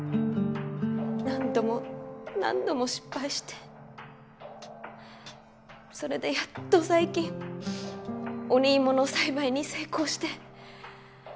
何度も何度も失敗してそれでやっと最近鬼芋の栽培に成功して。